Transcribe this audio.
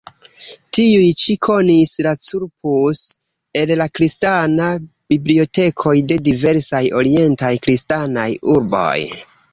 Tiuj ĉi konis la "Corpus" el la kristana bibliotekoj de diversaj orientaj kristanaj urboj.